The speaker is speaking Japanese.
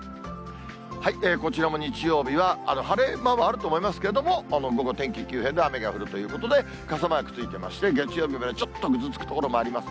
こちらも日曜日は晴れ間はあると思いますけれども、午後、天気急変で雨が降るということで、傘マークついてまして、月曜日までちょっとぐずつく所もあります。